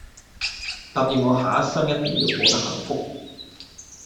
答應我下生一定要過得幸福